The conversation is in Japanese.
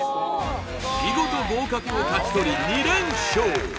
見事合格を勝ち取り２連勝